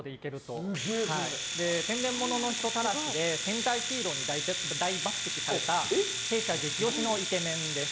天然物の人たらしで戦隊ヒーローに大抜擢された弊社イチ押しのイケメンです。